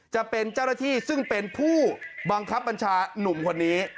จะเป็นเจ้าหน้าที่ซึ่งเป็นผู้บังคับบัญชาหนุ่มคนนี้